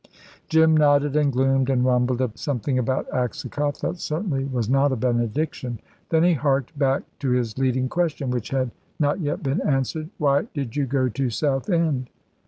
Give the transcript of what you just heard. Jim nodded and gloomed, and rumbled something about Aksakoff that certainly was not a benediction. Then he harked back to his leading question, which had not yet been answered. "Why did you go to Southend?"